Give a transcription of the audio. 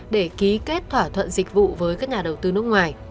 để ký kết thỏa thuận dịch vụ với các nhà đầu tư nước ngoài